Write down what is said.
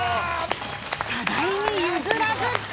互いに譲らず